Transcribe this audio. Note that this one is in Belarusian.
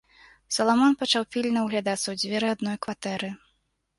Саламон пачаў пільна ўглядацца ў дзверы адной кватэры.